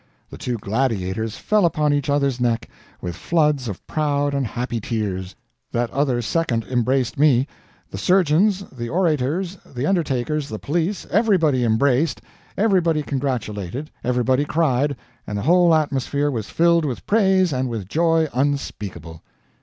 The two gladiators fell upon each other's neck, with floods of proud and happy tears; that other second embraced me; the surgeons, the orators, the undertakers, the police, everybody embraced, everybody congratulated, everybody cried, and the whole atmosphere was filled with praise and with joy unspeakable.